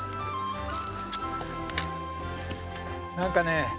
何かね。